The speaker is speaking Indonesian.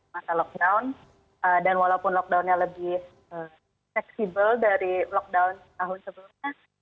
masa lockdown dan walaupun lockdownnya lebih fleksibel dari lockdown tahun sebelumnya